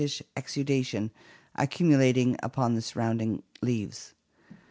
ish exudation accu mulating upon the surrounding leaves.